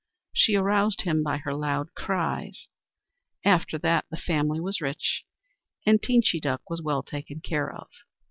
She aroused him by her loud cries. After that, the family was rich and Teenchy Duck was well taken care of.